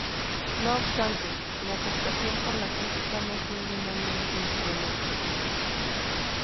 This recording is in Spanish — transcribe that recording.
No obstante, la aceptación por la crítica no fue unánime en su momento.